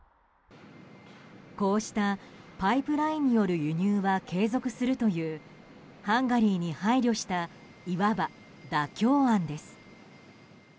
こうしたパイプラインによる輸入は継続するというハンガリーに配慮したいわば妥協案です。